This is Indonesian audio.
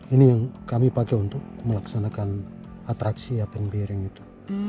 ini yang kami pakai untuk melaksanakan atraksi apen bayaren itu